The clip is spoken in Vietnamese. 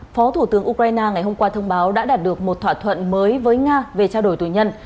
phó thủ tướng ukraine ngày hôm qua thông báo đã đạt được một thỏa thuận mới với nga về trao đổi tù nhân